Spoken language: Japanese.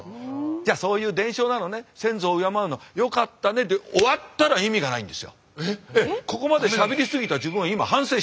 じゃあそういう伝承なのね先祖を敬うのよかったねで終わったら意味がないんですよ。